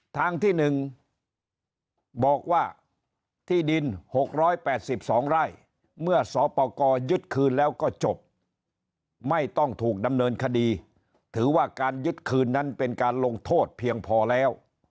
ทางที่๑บอกว่าที่ดิน๖๘๒ไร่เมื่อสปกรยึดคืนแล้วก็จบไม่ต้องถูกดำเนินคดีถือว่าการยึดคืนนั้นเป็นการลงโทษเพียงพอแล้ว